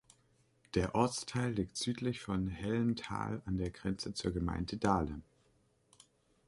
Der Ortsteil liegt südlich von Hellenthal an der Grenze zur Gemeinde Dahlem.